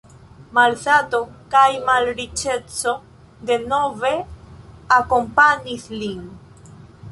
Malsato kaj malriĉeco denove akompanis lin.